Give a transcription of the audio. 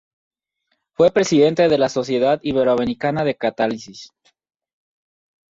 Fue presidente de la Sociedad Iberoamericana de Catálisis.